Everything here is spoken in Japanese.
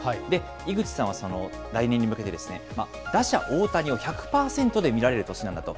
井口さんは来年に向けて、打者、大谷を１００％で見られる年なんだと。